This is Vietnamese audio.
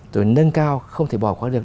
rồi nâng cao không thể bỏ qua được